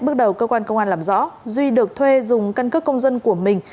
bước đầu cơ quan công an làm rõ duy được thuê dùng căn cước công dân của mình